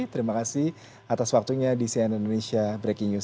terima kasih atas waktunya di cnn indonesia breaking news